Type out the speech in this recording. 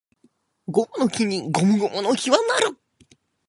ゴムの木にゴムゴムの木は成る